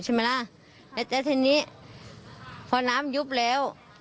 ใช่ไหมล่ะแล้วแต่ทีนี้พอน้ำยุบแล้ว